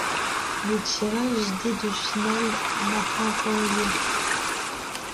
Le tirage des de finale n'a pas encore eu lieu.